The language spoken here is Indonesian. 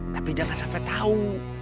tapi jangan sampai tau